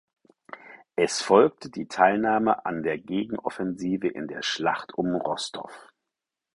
Es folgte die Teilnahme an der Gegenoffensive in der Schlacht um Rostow.